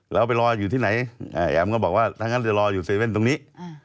แล้วไปรออยู่ที่ไหนแอ๋มก็บอกว่าทั้งนั้นจะรออยู่เซเว่นตรงนี้